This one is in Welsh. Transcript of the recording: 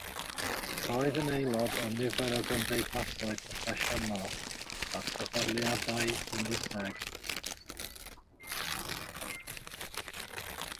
Roedd yn aelod o nifer o gymdeithasau proffesiynol, a sefydliadau dinesig.